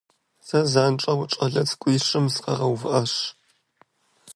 Сэ занщӀэу щӀалэ цӀыкӀуищым сыкъаувыхьащ.